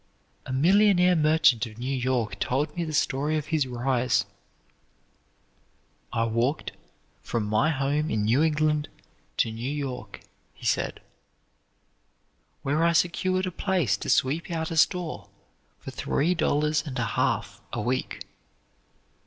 A millionaire merchant of New York told me the story of his rise. "I walked from my home in New England to New York," he said, "where I secured a place to sweep out a store for three dollars and a half a week.